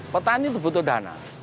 petani itu butuh dana